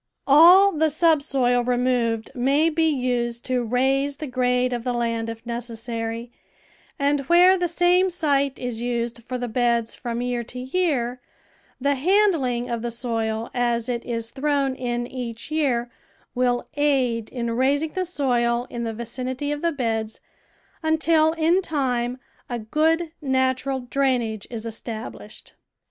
All the subsoil removed may be used to raise the grade of the land if necessary, and where the same site is used for the beds from year to year, the handling of the soil as it is thrown in each year will aid in raising the soil in the vicinity of the beds, until in time a good natural drainage is established.